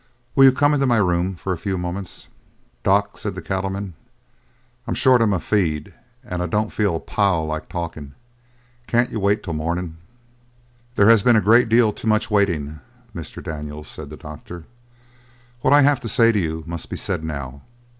Will you come into my room for a few moments?" "Doc," said the cattleman, "I'm short on my feed and I don't feel a pile like talkin'. Can't you wait till the morning?" "There has been a great deal too much waiting, Mr. Daniels," said the doctor. "What I have to say to you must be said now.